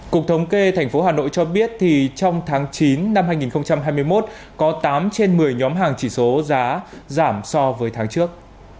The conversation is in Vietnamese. cục thống kê tp hà nội cho biết trong tháng chín năm hai nghìn hai mươi một có tám trên một mươi nhóm hàng chỉ số giá giảm so với tháng trước